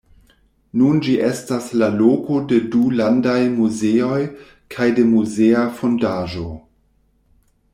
Nun ĝi estas la loko de du landaj muzeoj, kaj de muzea fondaĵo.